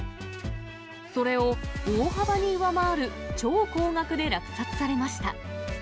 それを大幅に上回る超高額で落札されました。